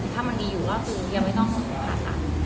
ถ้าอยู่รอดสือยังไม่ต้องปาสัญ